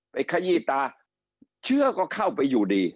ขยี้ตาเชื้อก็เข้าไปอยู่ดี